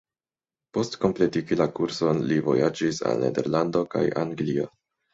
Post kompletigi la kurson, li vojaĝis al Nederlando kaj Anglio.